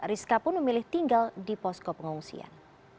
rizka pun memilih tinggal di posko pengungsian